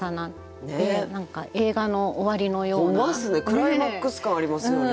クライマックス感ありますよね。